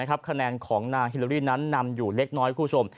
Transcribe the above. คะแนนของนางฮิโลลี่นั้นนำอยู่เล็กน้อยคุณผู้ชม